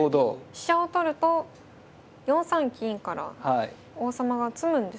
飛車を取ると４三金から王様が詰むんですね。